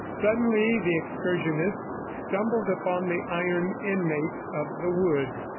Suddenly the excursionists stumbled upon the iron inmates of the woods.